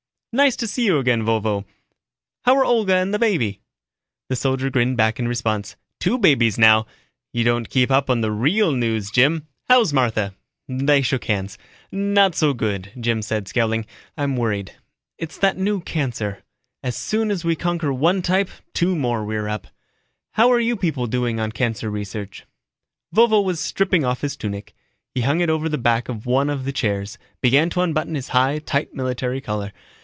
"Nice to see you again, Vovo. How're Olga and the baby?" The soldier grinned back in response. "Two babies now you don't keep up on the real news, Jim. How's Martha?" They shook hands. "Not so good," Jim said, scowling. "I'm worried. It's that new cancer. As soon as we conquer one type two more rear up. How are you people doing on cancer research?" Vovo was stripping off his tunic. He hung it over the back of one of the chairs, began to unbutton his high, tight military collar.